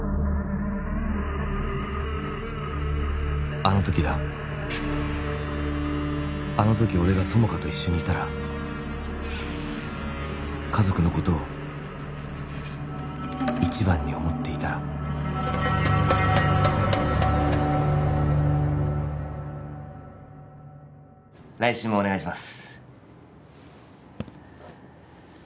あの時だあの時俺が友果と一緒にいたら家族のことを一番に思っていたら来週もお願いします